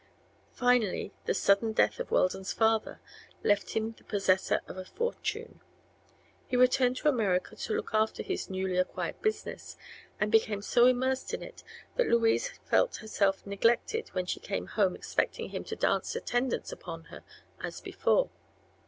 Finally the sudden death of Weldon's father left him the possessor of a fortune. He returned to America to look after his newly acquired business and became so immersed in it that Louise felt herself neglected when she came home expecting him to dance attendance upon her as before.